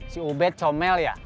si ubed comel ya